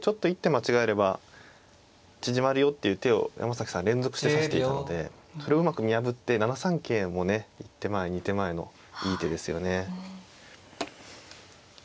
間違えれば縮まるよっていう手を山崎さん連続して指していたのでそれをうまく見破って７三桂もね１手前２手前のいい手ですよね。